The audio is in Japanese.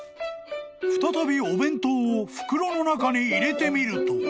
［再びお弁当を袋の中に入れてみると］